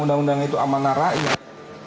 undang undang itu amanah rakyat